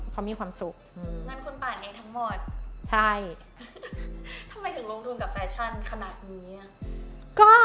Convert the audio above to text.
ทำไมถึงลงทุนกับฟาชั่นขนาดนี้อ่ะ